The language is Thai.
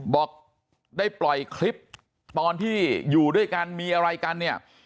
บอกได้ปล่อยคลิปตอนที่อยู่ด้วยกันมีอะไรกันเนี่ย